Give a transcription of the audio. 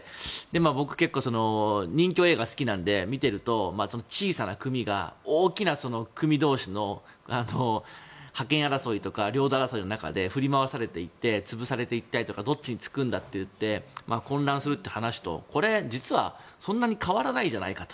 僕結構、任侠映画が好きなので見ていると、小さな組が大きな組同士の覇権争いとか領土争いの中で振り回されていて潰されたいったりとかどっちにつくんだといって混乱するという話とこれ、実はそんなに変わらないじゃないかと。